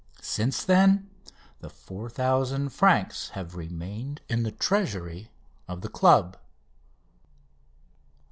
Since then the 4000 francs have remained in the treasury of the Club.